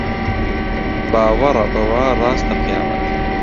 باوەڕە بەوە ڕاستە قیامەت